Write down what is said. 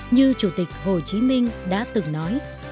như chủ tịch hồ chí minh đã từng nói